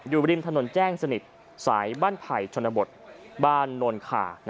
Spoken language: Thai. อยู่ริมถนนแจ้งสนิทสายบ้านไผ่ชนบทบ้านโนนขา